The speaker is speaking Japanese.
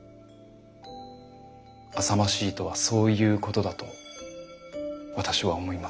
あさましいとはそういうことだと私は思います。